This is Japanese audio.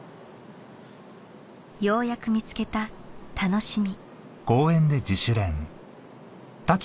ようやく見つけた楽しみ